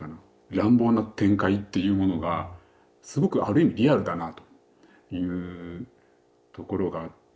乱暴な展開っていうものがすごくある意味リアルだなというところがあって。